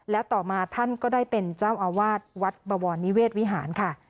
แล้วต่อมาท่านก็ได้เป็นเจ้าอาวาสวัดบวรนิเวศวิหารค่ะ